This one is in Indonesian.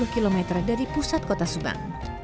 dua puluh km dari pusat kota subang